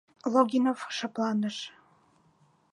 Логинов шыпланыш.